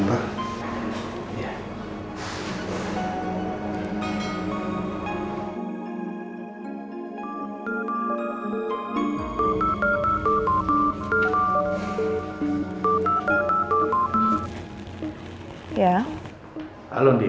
ngapain kamu sekarang di rumah